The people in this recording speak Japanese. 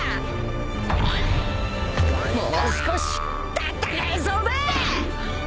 もう少し戦えそうだぁ！